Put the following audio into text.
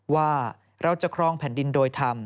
ว่าเราจะครองแผ่นดินโดยธรรม